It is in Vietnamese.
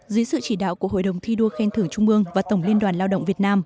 dưới sự chỉ đạo của hội đồng thi đua khen thưởng trung ương và tổng liên đoàn lao động việt nam